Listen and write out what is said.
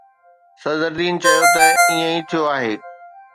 صدرالدين چيو ته ائين ئي ٿيو آهي.